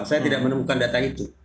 saya tidak menemukan data itu